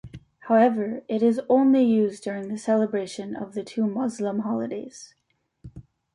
However, it is only used during the celebration of the two Muslim holidays.